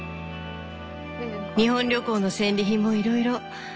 日本旅行の戦利品もいろいろ。